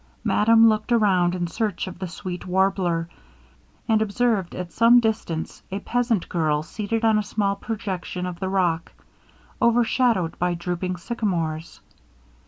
Madame looked around in search of the sweet warbler, and observed at some distance a peasant girl seated on a small projection of the rock, overshadowed by drooping sycamores.